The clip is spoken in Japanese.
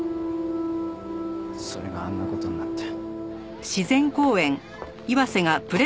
それがあんな事になって。